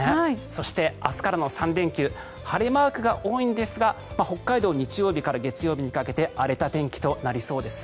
そして、明日からの３連休晴れマークが多いんですが北海道は日曜日から月曜日にかけて荒れた天気となりそうです。